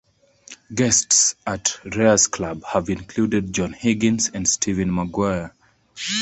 Guests at Rea's club have included John Higgins and Stephen Maguire.